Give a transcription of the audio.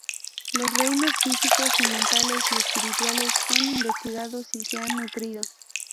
Los reinos físicos y mentales y espirituales son investigados y se han nutrido.